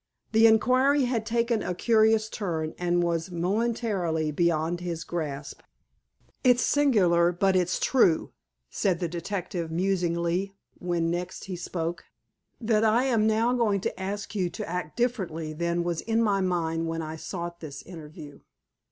The inquiry had taken a curious turn, and was momentarily beyond his grasp. "It's singular, but it's true," said the detective musingly when next he spoke, "that I am now going to ask you to act differently than was in my mind when I sought this interview.